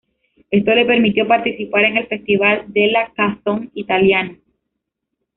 Esto le permitió participar en el Festival della canzone italiana.